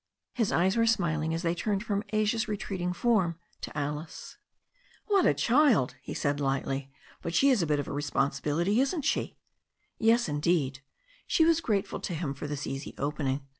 His eyes were smiling as they turned from Asia's re treating form to Alice. THE STORY OF A NEW ZEALAND RIVER 149 'What a child !" he said lightly. "But she is a bit of a responsibility, isn't she?" "Yes, indeed," She was grateful to him for this easy opening.